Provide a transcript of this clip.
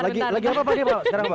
lagi apa pak sekarang pak